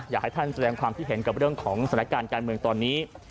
อยากให้ท่านแสดงความคิดเห็นกับเรื่องของสถานการณ์การเมืองตอนนี้